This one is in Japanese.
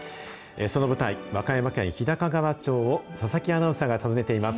その舞台、和歌山県日高川町を、佐々木アナウンサーが訪ねています。